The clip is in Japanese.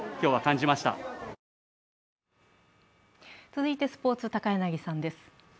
続いてスポーツ、高柳さんです。